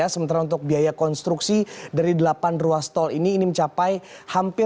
sementara untuk biaya konstruksi dari delapan ruas tol ini ini mencapai hampir